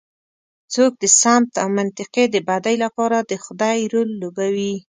څوک د سمت او منطقې د بدۍ لپاره د خدۍ رول لوبوي.